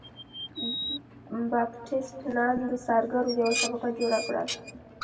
باپټیست نان د څارګرو یوه شبکه جوړه کړه.